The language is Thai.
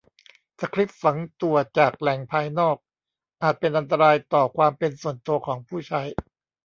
สคริปต์ฝังตัวจากแหล่งภายนอกอาจเป็นอันตรายต่อความเป็นส่วนตัวของผู้ใช้